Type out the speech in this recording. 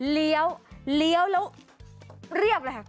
เลี้ยวเลี้ยวแล้วเรียบเลยค่ะ